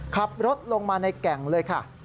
ขับรถลงมาในแก่งเลยค่ะ